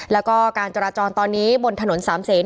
แล้วก็การจราจรตอนนี้บนถนนสามเศษ